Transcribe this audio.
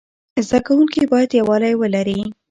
زده کوونکي باید یووالی ولري.